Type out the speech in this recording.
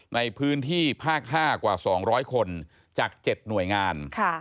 ในพื้นที่ภาค๕กว่า๒๐๐คนจาก๗หน่วยงาน